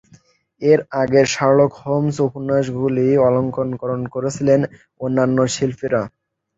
এর আগে Sherlock Holmes উপন্যাসগুলি অলংকরণ করেছিলেন অন্যান্য শিল্পীরা।